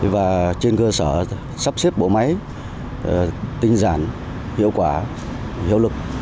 và trên cơ sở sắp xếp bộ máy tinh giản hiệu quả hiệu lực